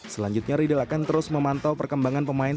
selanjutnya riedel akan terus memantau perkembangan pemain